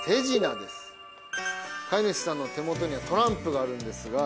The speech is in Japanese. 飼い主さんの手元にはトランプがあるんですが。